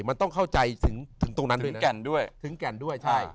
มันต้องเข้าใจถึงตรงนั้นถึงแก่นด้วยถึงแก่นด้วยใช่